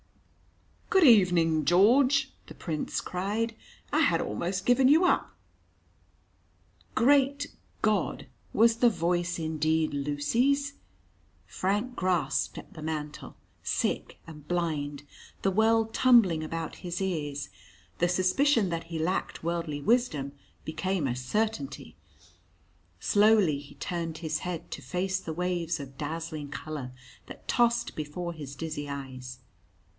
"Good evening, George," the Prince cried: "I had almost given you up." Great God! Was the voice, indeed, Lucy's? Frank grasped at the mantel, sick and blind, the world tumbling about his ears. The suspicion that he lacked worldly wisdom became a certainty. Slowly he turned his head to face the waves of dazzling colour that tossed before his dizzy eyes.